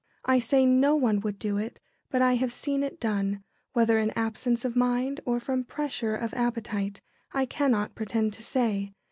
I say "no one" would do it, but I have seen it done, whether in absence of mind or from pressure of appetite I cannot pretend to say.